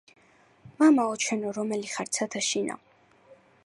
მამაო ჩვენო რომელი ხარ ცათა შინა